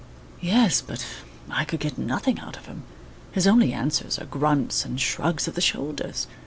"Yes, but I could get nothing out of him. His only answers are grunts and shrugs of the shoulders.